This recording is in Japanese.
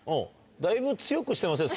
だいぶ強くしてません？